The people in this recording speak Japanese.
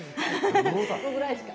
そのぐらいしか。